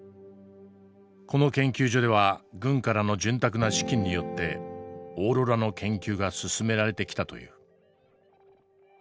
この研究所では軍からの潤沢な資金によってオーロラの研究が進められてきたという。